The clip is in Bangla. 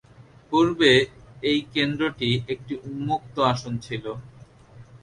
পূর্বে এই কেন্দ্রটি একটি উন্মুক্ত আসন ছিল।